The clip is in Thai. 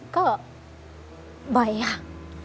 ก็บ่อยค่ะ